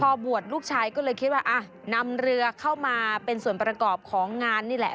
พอบวชลูกชายก็เลยคิดว่าอ่ะนำเรือเข้ามาเป็นส่วนประกอบของงานนี่แหละ